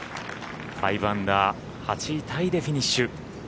５アンダー、８位タイでフィニッシュ。